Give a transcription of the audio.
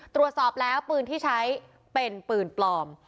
ตรวจสอบแล้วปืนที่ใช้เป็นปืนปลอม